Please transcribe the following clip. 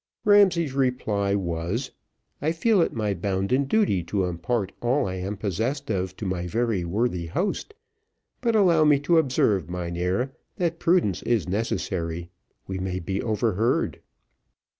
Ramsay's reply was, "I feel it my bounden duty to impart all I am possessed of to my very worthy host, but allow me to observe, mynheer, that prudence is necessary we may be overheard."